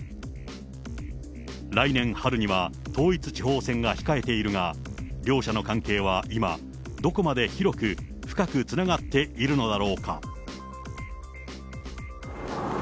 来年春には統一地方選が控えているが、両者の関係は今、どこまで広く深くつながっているのだろうか。